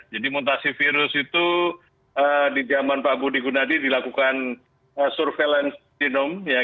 jadi mutasi virus itu di zaman pak wudi gunadi dilakukan surveillance genome